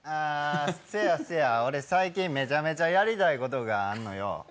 せやせや、俺、最近めちゃめちゃやりたいことあんのよ。